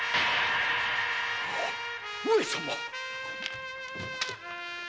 上様！